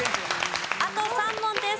あと３問です。